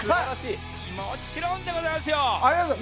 もちろんでございますよ。